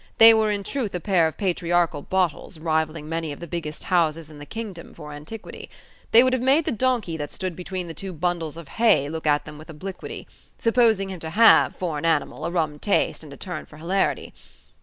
They were in truth a pair of patriarchal bottles rivalling many of the biggest houses in the kingdom for antiquity. They would have made the donkey that stood between the two bundles of hay look at them with obliquity: supposing him to have, for an animal, a rum taste, and a turn for hilarity.